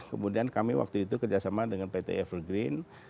kemudian kami waktu itu kerjasama dengan pt evergreen